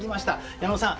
矢野さん